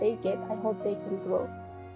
saya harap mereka bisa berkembang